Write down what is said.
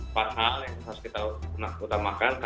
pasal yang harus kita utamakan